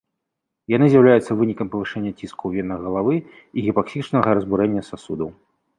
Яны з'яўляюцца вынікам павышэння ціску ў венах галавы і гіпаксічнага разбурэння сасудаў.